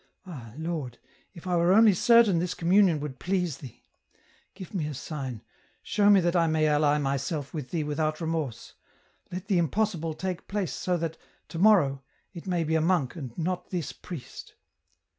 " Ah ! Lord, if I were only certain this communion would please Thee ! Give me a sign, show me that I may ally my self with Thee without remorse ; let the impossible take place so that, to morrow, it may be a monk and not this priest